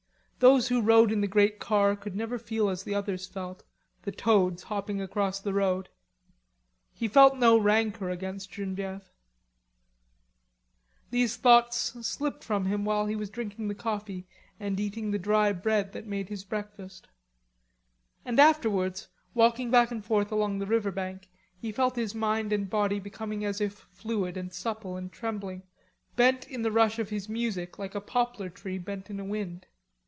Those who rode in the great car could never feel as the others felt; the toads hopping across the road. He felt no rancour against Genevieve. These thoughts slipped from him while he was drinking the coffee and eating the dry bread that made his breakfast; and afterwards, walking back and forth along the river bank, he felt his mind and body becoming as if fluid, and supple, trembling, bent in the rush of his music like a poplar tree bent in a wind.